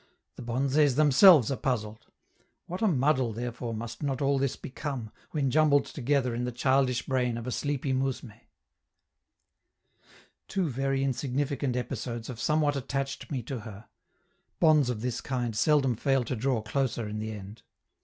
The bonzes themselves are puzzled; what a muddle, therefore, must not all this become, when jumbled together in the childish brain of a sleepy mousme! Two very insignificant episodes have somewhat attached me to her (bonds of this kind seldom fail to draw closer in the end).